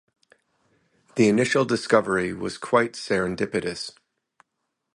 The initial discovery was quite serendipitous.